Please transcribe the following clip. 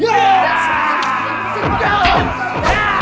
jangan chauh while damai